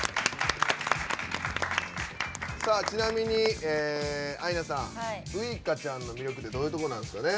ちなみにアイナさんウイカちゃんの魅力ってどういうとこなんですかね？